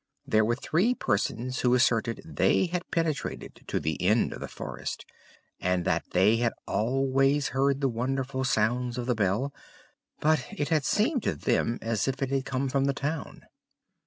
There were three persons who asserted they had penetrated to the end of the forest, and that they had always heard the wonderful sounds of the bell, but it had seemed to them as if it had come from the town.